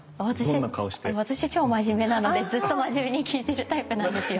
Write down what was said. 私超真面目なのでずっと真面目に聞いてるタイプなんですよ。